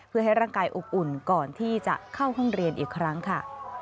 เพื่อให้ร่างกายอบอุ่นก่อนที่จะเข้าห้องเรียนอีกครั้งค่ะ